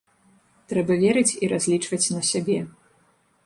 Трэба верыць і разлічваць на сябе.